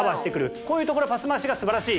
こういうところパス回しが素晴らしい。